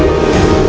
aku sudah menang